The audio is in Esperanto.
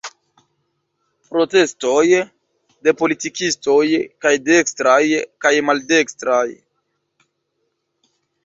Protestoj de politikistoj, kaj dekstraj kaj maldekstraj.